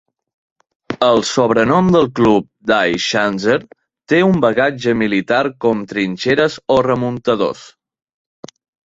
El sobrenom del club "Die Schanzer" té un bagatge militar com trinxeres o remuntadors.